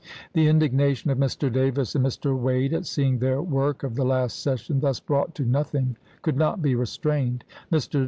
The indignation of Mr. Davis and Mr. Wade at seeing their work of the last session thus brought to nothing could not be restrained. Mr.